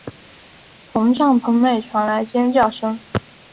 从帐篷内传来尖叫声